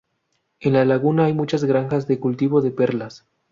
En la laguna hay muchas granjas de cultivo de perlas.